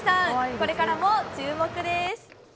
これからも注目です。